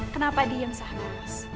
kenapa diam saja